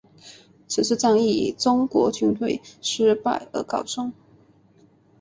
此次战役以中国军队失败而告终。